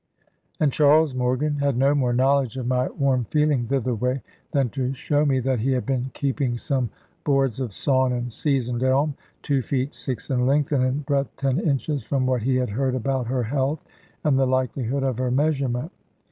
And Charles Morgan had no more knowledge of my warm feeling thitherway, than to show me that he had been keeping some boards of sawn and seasoned elm, two feet six in length, and in breadth ten inches, from what he had heard about her health, and the likelihood of her measurement.